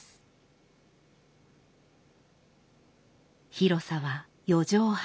広さは四畳半。